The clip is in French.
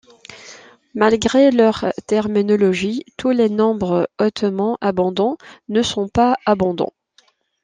Malgré leur terminologie, tous les nombres hautement abondants ne sont pas abondants.